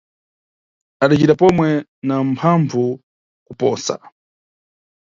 – Adacita pomwe, na mphambvu kuposa.